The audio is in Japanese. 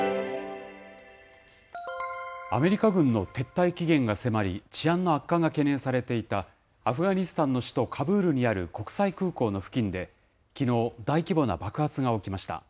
アメリカ軍の撤退期限が迫り、治安の悪化が懸念されていたアフガニスタンの首都カブールにある国際空港の付近で、きのう、大規模な爆発が起きました。